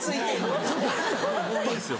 もういいですよ。